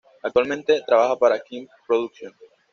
Actualmente, trabaja para Ken Production.